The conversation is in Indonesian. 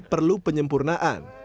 tapi perlu penyempurnaan